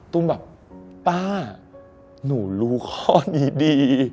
ตุ้มแบบป้าหนูรู้ข้อนี้ดี